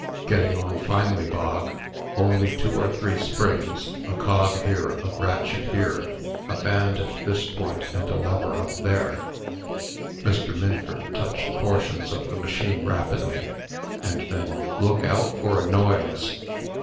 "Getting on finely, Bog. Only two or three springs, a cog here, a ratchet here, a band at this point, and a lever up there (Mr. Minford touched portions of the machine rapidly), and then look out for a noise!"